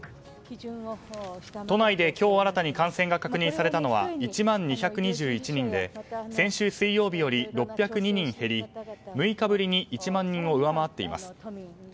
都内で今日新たに感染が確認されたのは１万２２１人で先週水曜日より６０２人減り６日ぶりに１万人を上回っています。